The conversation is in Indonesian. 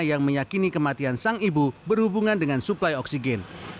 yang meyakini kematian sang ibu berhubungan dengan suplai oksigen